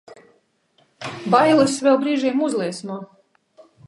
Bailes vēl brīžiem uzliesmo.